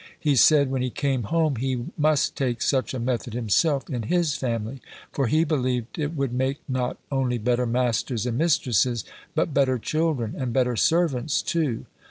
He said, when he came home, he must take such a method himself in his family; for, he believed, it would make not only better masters and mistresses, but better children, and better servants too.